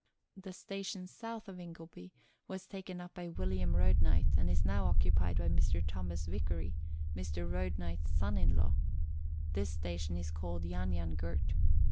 The station south of Ingleby was taken up by William Road knight, and is now occupied by Mr. Thomas Vicary, Mr. Roadknight's son in law. This station is called Yan Yan Gurt.